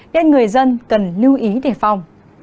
nên người dân cần lưu ý đề phòng